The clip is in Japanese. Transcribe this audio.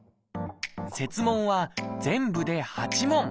設問は全部で８問。